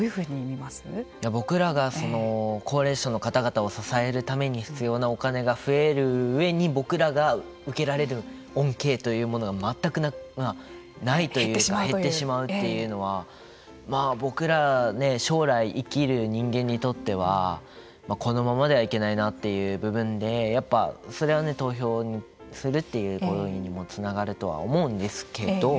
僕らが高齢者の方々を支えるために必要なお金が増えるうえに僕らが受けられる恩恵というものが全くないというか減ってしまうというのは僕ら、将来生きる人間にとってはこのままではいけないなという部分でやっぱり投票するという行動にもつながるとは思うんですけど。